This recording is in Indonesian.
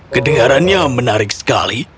kedengarannya menarik sekali